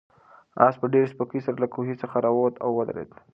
آس په ډېرې سپکۍ سره له کوهي څخه راووت او ودرېد.